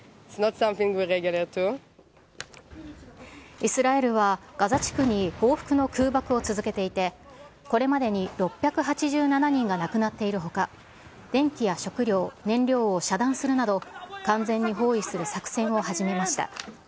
イスラエルは、ガザ地区に報復の空爆を続けていて、これまでに６８７人が亡くなっているほか、電気や食料、燃料を遮断するなど、完全に包囲する作戦を始めました。